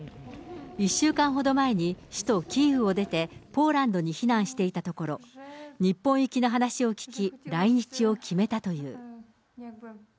１週間ほど前に首都キーウを出て、ポーランドに避難していたところ、日本行きの話を聞き、来日を決めたという。